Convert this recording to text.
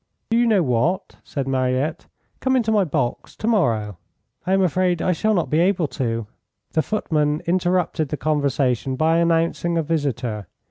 "Do you know what?" said Mariette. "Come into my box to morrow." "I am afraid I shall not be able to." The footman interrupted the conversation by announcing a visitor.